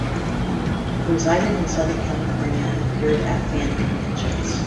He resided in Southern California and appeared at fan conventions.